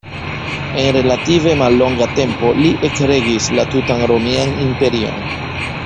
En relative mallonga tempo li ekregis la tutan Romian Imperion.